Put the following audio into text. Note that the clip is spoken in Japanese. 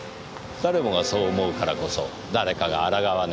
誰もがそう思うからこそ誰かが抗わねばならない。